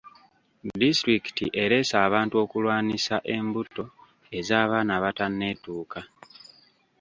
Disitulikiti ereese abantu okulwanisa embuto ez'abaana abatanneetuuka.